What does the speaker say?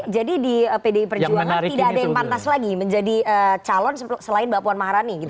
jadi di pd perjuangan tidak ada yang pantas lagi menjadi calon selain mbak puan maharani gitu